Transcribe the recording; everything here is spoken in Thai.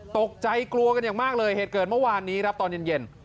ตกใจกลัวกันอย่างมากเลยเหตุเกิดเมื่อวานนี้ครับตอนเย็น